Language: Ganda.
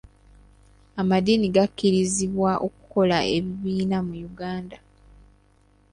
Amadiini gakkirizibwa okukola ebibiina mu Uganda.